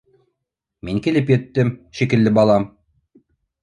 Мин килеп еттем, шикелле, балам.